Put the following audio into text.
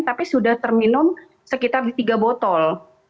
tapi sudah terminum sekitar tiga botol